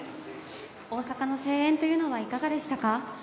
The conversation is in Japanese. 大阪の声援というのはいかがでしたか？